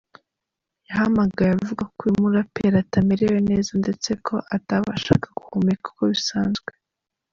Yahamagaye avuga ko uyu muraperi atamerewe neza ndetse ko atabashaga guhumeka uko bisanzwe.